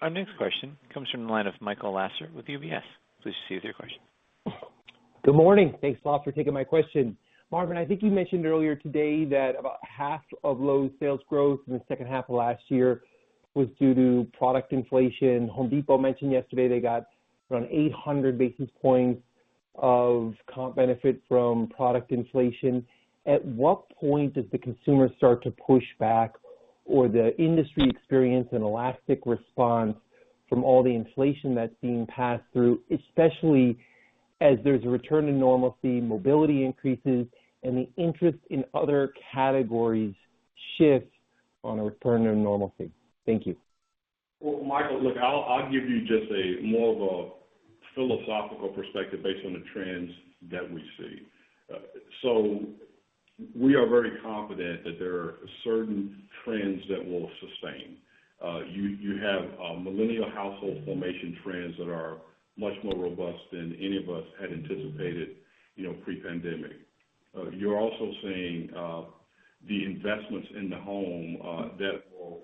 Our next question comes from the line of Michael Lasser with UBS. Please proceed with your question. Good morning. Thanks a lot for taking my question. Marvin, I think you mentioned earlier today that about half of Lowe's sales growth in the second half of last year was due to product inflation. Home Depot mentioned yesterday they got around 800 basis points of comp benefit from product inflation. At what point does the consumer start to push back, or the industry experience an elastic response from all the inflation that's being passed through, especially as there's a return to normalcy, mobility increases, and the interest in other categories shifts on a return to normalcy? Thank you. Well, Michael, look, I'll give you just a more of a philosophical perspective based on the trends that we see. We are very confident that there are certain trends that will sustain. You have millennial household formation trends that are much more robust than any of us had anticipated, you know, pre-pandemic. You're also seeing the investments in the home that will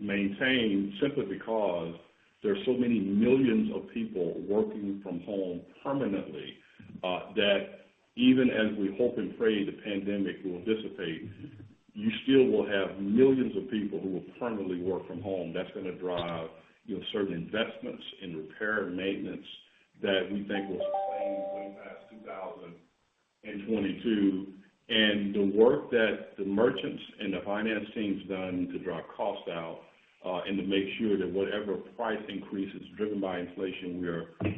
maintain simply because there are so many millions of people working from home permanently, that even as we hope and pray the pandemic will dissipate, you still will have millions of people who will permanently work from home. That's gonna drive, you know, certain investments in repair and maintenance that we think will sustain way past 2022. The work that the merchants and the finance team's done to drive costs down, and to make sure that whatever price increases driven by inflation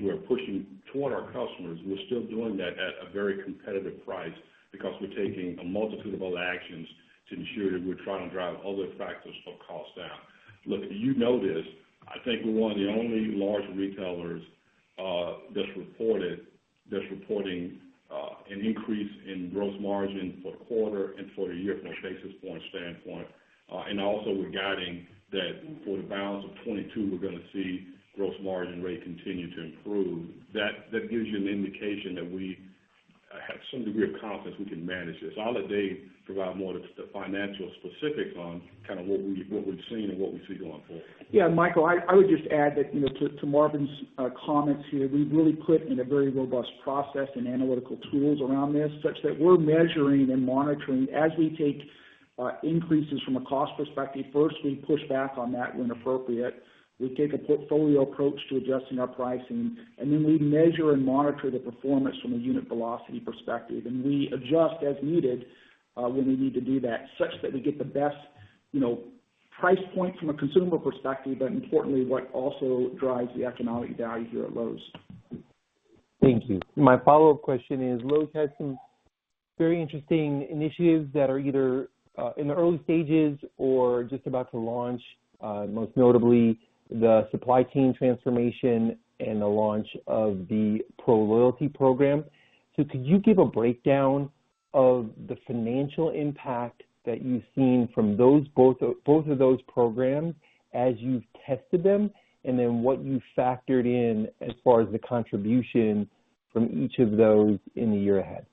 we are pushing toward our customers, we're still doing that at a very competitive price because we're taking a multitude of other actions to ensure that we're trying to drive other factors of cost down. Look, you know this, I think we're one of the only large retailers that's reporting an increase in gross margin for the quarter and for the year from a basis point standpoint. Also regarding that for the balance of 2022 we're gonna see gross margin rate continue to improve. That gives you an indication that we have some degree of confidence we can manage this. I'll let Dave provide more of the financial specifics on kind of what we've seen and what we see going forward. Yeah, Michael, I would just add that, you know, to Marvin's comments here, we really put in a very robust process and analytical tools around this, such that we're measuring and monitoring as we take increases from a cost perspective. First, we push back on that when appropriate. We take a portfolio approach to adjusting our pricing, and then we measure and monitor the performance from a unit velocity perspective. We adjust as needed when we need to do that, such that we get the best, you know, price point from a consumer perspective, but importantly, what also drives the economic value here at Lowe's. Thank you. My follow-up question is, Lowe's had some very interesting initiatives that are either in the early stages or just about to launch, most notably the supply chain transformation and the launch of the Pro Loyalty program. Could you give a breakdown of the financial impact that you've seen from those, both of those programs as you've tested them, and then what you factored in as far as the contribution from each of those in the year ahead?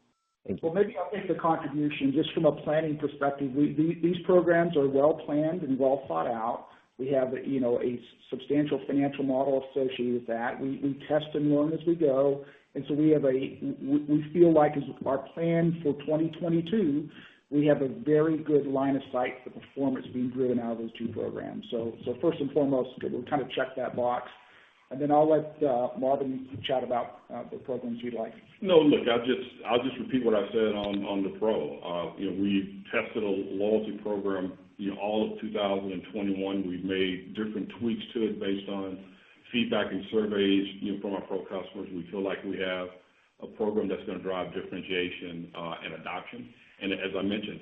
Thank you. Well, maybe I'll take the contribution just from a planning perspective. These programs are well-planned and well thought-out. We have, you know, a substantial financial model associated with that. We test and learn as we go. We feel like as our plan for 2022, we have a very good line of sight for performance being driven out of those two programs. First and foremost, we kind of check that box. Then I'll let Marvin chat about the programs you'd like. No, look, I'll just repeat what I said on the Pro. You know, we tested a loyalty program, you know, all of 2021. We've made different tweaks to it based on feedback and surveys, you know, from our Pro customers. We feel like we have a program that's gonna drive differentiation, and adoption. As I mentioned,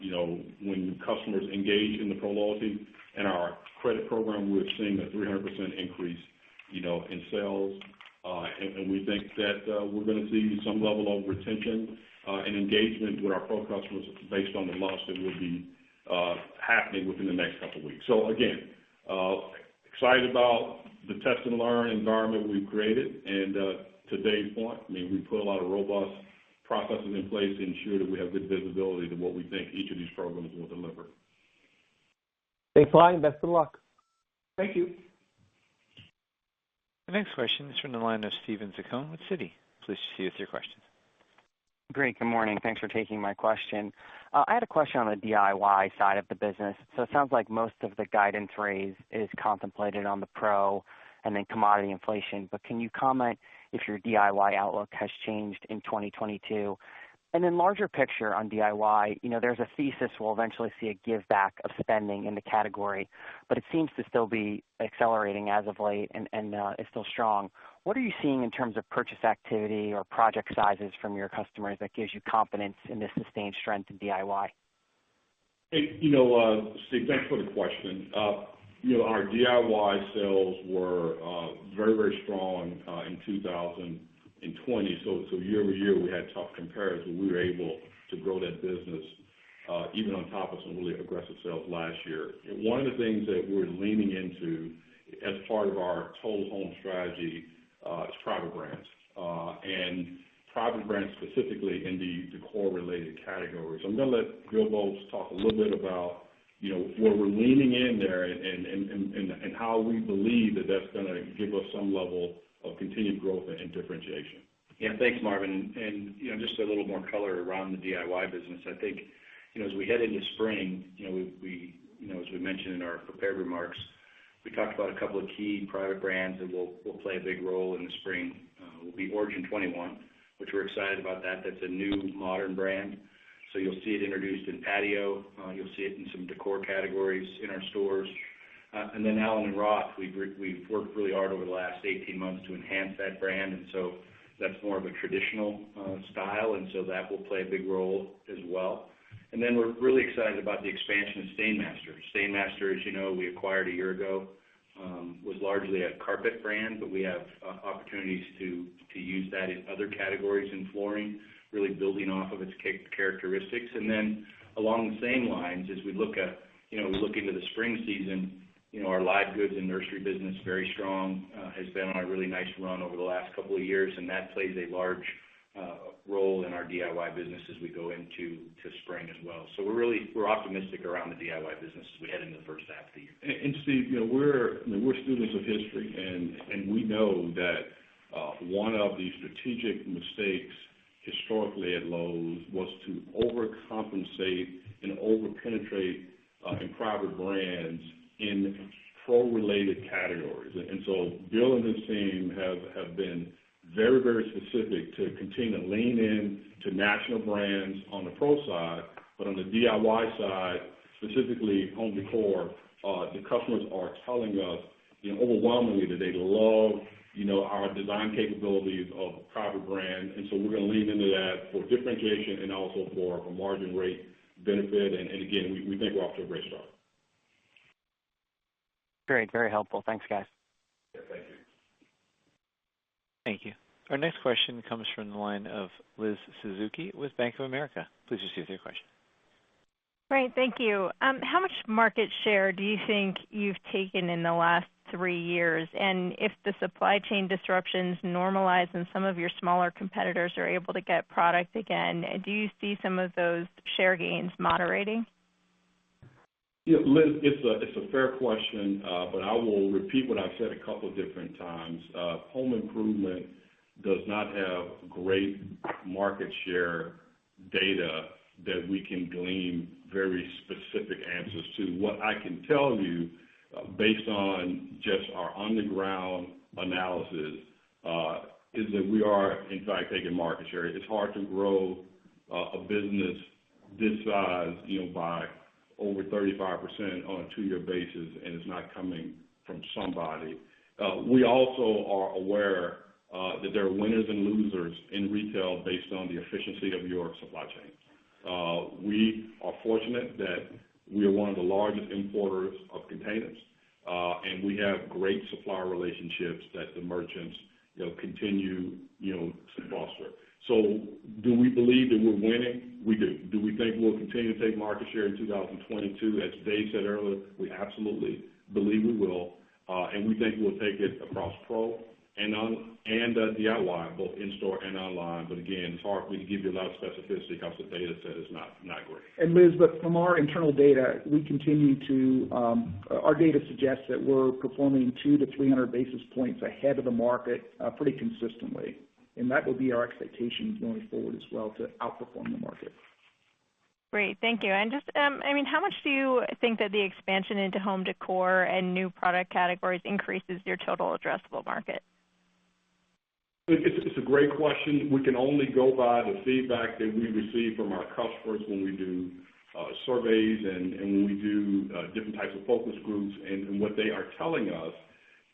you know, when customers engage in the Pro Loyalty and our credit program, we're seeing a 300% increase, you know, in sales. We think that we're gonna see some level of retention, and engagement with our Pro customers based on the launch that will be happening within the next couple weeks. Again, excited about the test and learn environment we've created. To date, frankly, we put a lot of robust processes in place to ensure that we have good visibility to what we think each of these programs will deliver. Stay flying. Best of luck. Thank you. The next question is from the line of Steven Zaccone with Citi. Please proceed with your question. Great, good morning. Thanks for taking my question. I had a question on the DIY side of the business. It sounds like most of the guidance raise is contemplated on the Pro and then commodity inflation. Can you comment if your DIY outlook has changed in 2022? Then larger picture on DIY, you know, there's a thesis we'll eventually see a give back of spending in the category, but it seems to still be accelerating as of late and is still strong. What are you seeing in terms of purchase activity or project sizes from your customers that gives you confidence in the sustained strength in DIY? Hey, you know, Steve, thanks for the question. You know, our DIY sales were very, very strong in 2020. So year over year, we had tough comparison. We were able to grow that business even on top of some really aggressive sales last year. One of the things that we're leaning into as part of our Total Home strategy is private brands, and private brands specifically in the decor-related categories. I'm gonna let Bill Boltz talk a little bit about, you know, where we're leaning in there and how we believe that that's gonna give us some level of continued growth and differentiation. Yeah. Thanks Marvin. You know, just a little more color around the DIY business. I think, you know, as we head into spring, you know, as we mentioned in our prepared remarks, we talked about a couple of key private brands that will play a big role in the spring, Origin21, which we're excited about that. That's a new modern brand. So you'll see it introduced in patio. You'll see it in some decor categories in our stores. Allen + roth, we've worked really hard over the last 18 months to enhance that brand. That's more of a traditional style, and that will play a big role as well. We're really excited about the expansion of STAINMASTER. STAINMASTER, as you know, we acquired a year ago, was largely a carpet brand, but we have opportunities to use that in other categories in flooring, really building off of its characteristics. Then along the same lines, as we look at, you know, as we look into the spring season, you know, our live goods and nursery business, very strong, has been on a really nice run over the last couple of years, and that plays a large role in our DIY business as we go into the spring as well. We're optimistic around the DIY business as we head into the first half of the year. Steve, you know, we're students of history and we know that one of the strategic mistakes historically at Lowe's was to overcompensate and over-penetrate in private brands in Pro-related categories. Bill and his team have been very specific to continue to lean in to national brands on the Pro side. On the DIY side, specifically home décor, the customers are telling us, you know, overwhelmingly that they love our design capabilities of private brand. We're gonna lean into that for differentiation and also for a margin rate benefit. Again, we think we're off to a great start. Great. Very helpful. Thanks guys. Yeah. Thank you. Our next question comes from the line of Liz Suzuki with Bank of America. Please proceed with your question. Great, thank you. How much market share do you think you've taken in the last three years? If the supply chain disruptions normalize and some of your smaller competitors are able to get product again, do you see some of those share gains moderating? Yeah, Liz, it's a fair question, but I will repeat what I've said a couple different times. Home improvement does not have great market share data that we can glean very specific answers to. What I can tell you, based on just our on-the-ground analysis, is that we are in fact taking market share. It's hard to grow a business this size, you know, by over 35% on a two-year basis, and it's not coming from somebody. We also are aware that there are winners and losers in retail based on the efficiency of your supply chain. We are fortunate that we are one of the largest importers of containers, and we have great supplier relationships that the merchants, you know, continue, you know, to foster. So do we believe that we're winning? We do. Do we think we'll continue to take market share in 2022, as Dave said earlier? We absolutely believe we will. We think we'll take it across Pro and on, and DIY, both in-store and online. Again, it's hard for me to give you a lot of specificity because the data set is not great. Liz, from our internal data, our data suggests that we're performing 200-300 basis points ahead of the market, pretty consistently. That will be our expectations going forward as well to outperform the market. Great. Thank you. Just, I mean, how much do you think that the expansion into home decor and new product categories increases your total addressable market? It's a great question. We can only go by the feedback that we receive from our customers when we do surveys and when we do different types of focus groups. What they are telling us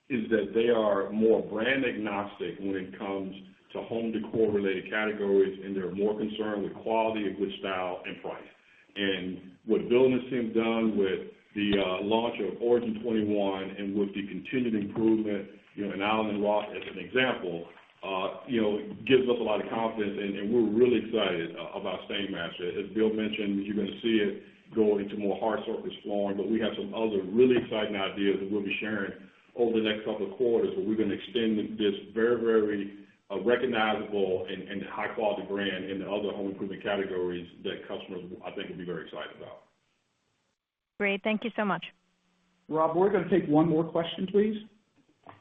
is that they are more brand agnostic when it comes to home decor related categories, and they're more concerned with quality, good style and price. What Bill and his team have done with the launch of Origin21 and with the continued improvement, you know, in allen + roth as an example, you know, gives us a lot of confidence. We're really excited about STAINMASTER. As Bill mentioned, you're gonna see it go into more hard surface flooring, but we have some other really exciting ideas that we'll be sharing over the next couple of quarters, where we're gonna extend this very recognizable and high quality brand in the other home improvement categories that customers, I think, will be very excited about. Great. Thank you so much. Rob, we're gonna take one more question please.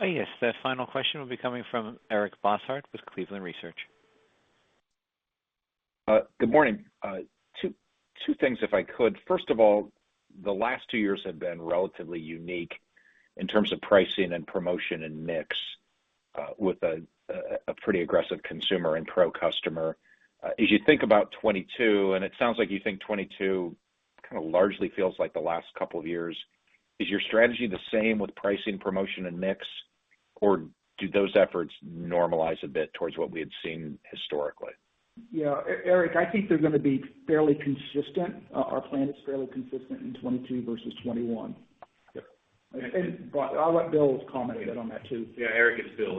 Yes. The final question will be coming from Eric Bosshard with Cleveland Research. Good morning. Two things, if I could. First of all, the last two years have been relatively unique in terms of pricing and promotion and mix, with a pretty aggressive consumer and Pro customer. As you think about 2022, and it sounds like you think 2022 kinda largely feels like the last couple of years, is your strategy the same with pricing, promotion, and mix, or do those efforts normalize a bit towards what we had seen historically? Yeah. Eric, I think they're gonna be fairly consistent. Our plan is fairly consistent in 2022 versus 2021. Yeah. I'll let Bill comment a bit on that, too. Yeah. Eric, it's Bill.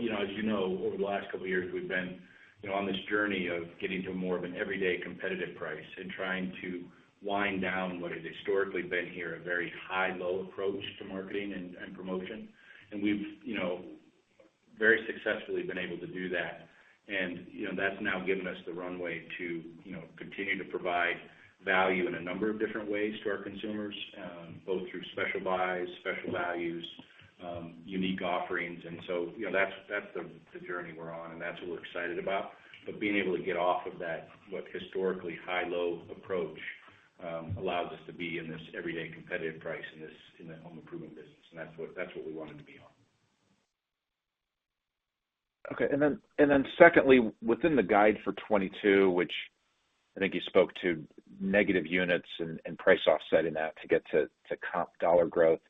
You know, as you know, over the last couple of years, we've been, you know, on this journey of getting to more of an everyday competitive price and trying to wind down what had historically been here, a very high-low approach to marketing and promotion. We've, you know, very successfully been able to do that. You know, that's now given us the runway to, you know, continue to provide value in a number of different ways to our consumers, both through special buys, special values, unique offerings. You know, that's the journey we're on, and that's what we're excited about. Being able to get off of that, what historically, high-low approach allows us to be in this everyday competitive price in the home improvement business. That's what we wanted to be on. Okay. Secondly, within the guide for 2022, which I think you spoke to negative units and price offset in that to get to comp dollar growth.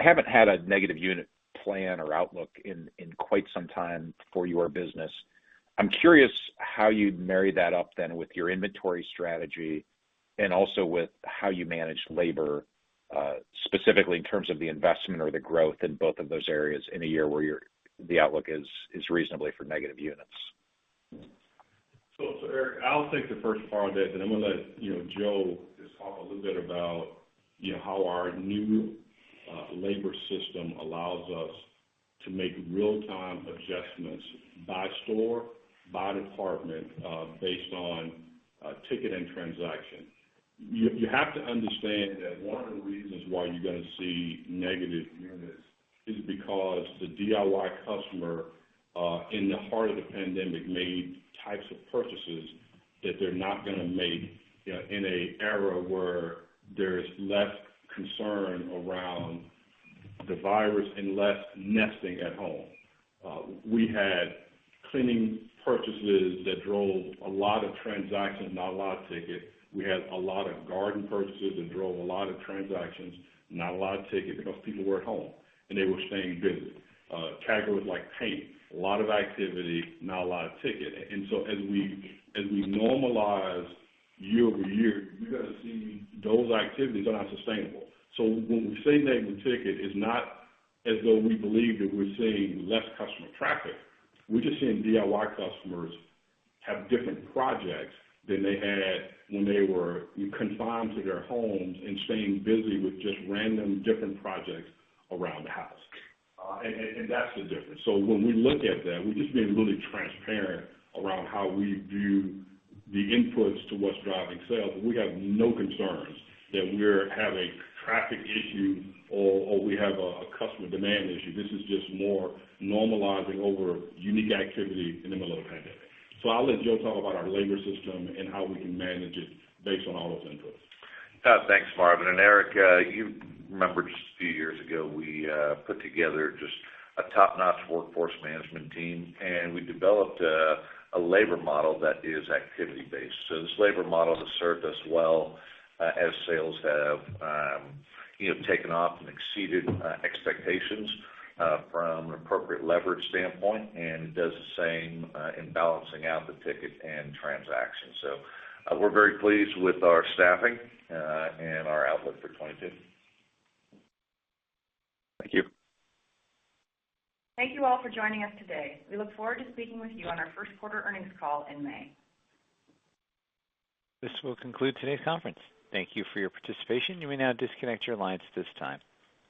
Haven't had a negative unit plan or outlook in quite some time for your business. I'm curious how you'd marry that up then with your inventory strategy and also with how you manage labor, specifically in terms of the investment or the growth in both of those areas in a year where your outlook is reasonably for negative units? Eric, I'll take the first part of that, and then I'm gonna let, you know, Joe just talk a little bit about, you know, how our new labor system allows us to make real time adjustments by store, by department, based on ticket and transaction. You have to understand that one of the reasons why you're gonna see negative units is because the DIY customer in the heart of the pandemic made types of purchases that they're not gonna make, you know, in a era where there's less concern around the virus and less nesting at home. We had cleaning purchases that drove a lot of transactions, not a lot of ticket. We had a lot of garden purchases that drove a lot of transactions, not a lot of ticket because people were at home, and they were staying busy. Categories like paint, a lot of activity, not a lot of ticket. As we normalize year-over-year, you're gonna see those activities are not sustainable. When we say negative ticket, it's not as though we believe that we're seeing less customer traffic. We're just seeing DIY customers have different projects than they had when they were confined to their homes and staying busy with just random different projects around the house. That's the difference. When we look at that, we're just being really transparent around how we view the inputs to what's driving sales, and we have no concerns that we're having traffic issue or we have a customer demand issue. This is just more normalizing over unique activity in the middle of a pandemic. I'll let Joe talk about our labor system and how we can manage it based on all those inputs. Thanks Marvin. Eric, you remember just a few years ago, we put together just a top-notch workforce management team, and we developed a labor model that is activity-based. This labor model has served us well as sales have you know, taken off and exceeded expectations from an appropriate leverage standpoint, and does the same in balancing out the ticket and transaction. We're very pleased with our staffing and our outlook for 2022. Thank you. Thank you all for joining us today. We look forward to speaking with you on our first quarter earnings call in May. This will conclude today's conference. Thank you for your participation. You may now disconnect your lines at this time.